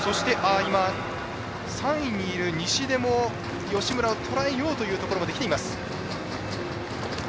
今３位にいる西出も、吉村をとらえようというところまできています。